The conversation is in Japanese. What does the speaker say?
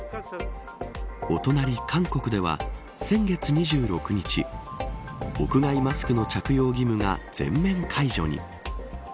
お隣、韓国では先月２６日屋外マスクの着用義務が全面解除に。